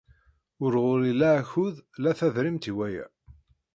Ur ɣur-i la akud la tadrimt i waya